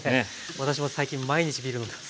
私も最近毎日ビール飲んでます。